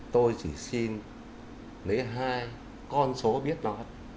tôi chỉ xin lấy hai con số biết đó